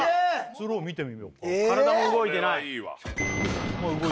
スロー見てみようか体も動いてない体